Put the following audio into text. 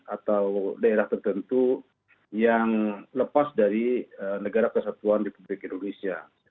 atau daerah tertentu yang lepas dari negara kesatuan republik indonesia